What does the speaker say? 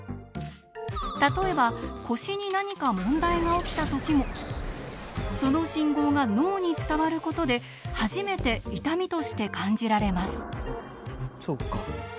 例えば腰に何か問題が起きた時もその信号が脳に伝わることで初めて痛みとして感じられます。